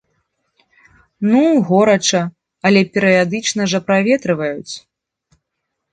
Ну, горача, але перыядычна жа праветрываюць.